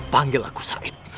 panggil aku said